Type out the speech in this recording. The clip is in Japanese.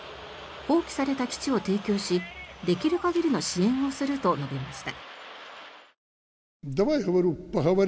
放棄された基地を提供しできる限りの支援をすると述べました。